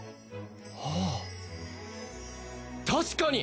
ああ確かに！